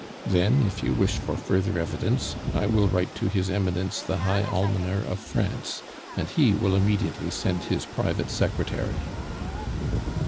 Then, if you wish for further evidence, I will write to His Eminence the High Almoner of France, and he will immediately send his private secretary."